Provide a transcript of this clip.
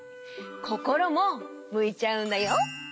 こころもむいちゃうんだよ。